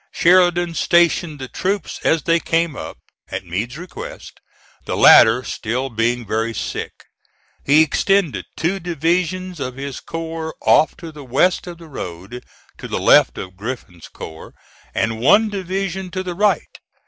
Sheridan stationed the troops as they came up, at Meade's request, the latter still being very sick. He extended two divisions of this corps off to the west of the road to the left of Griffin's corps, and one division to the right.